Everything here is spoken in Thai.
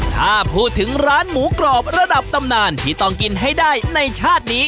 ถ้าพูดถึงร้านหมูกรอบระดับตำนานที่ต้องกินให้ได้ในชาตินี้